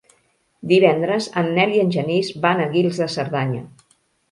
Divendres en Nel i en Genís van a Guils de Cerdanya.